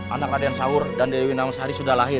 anak raden sahur dan dewi nawangsa sudah lahir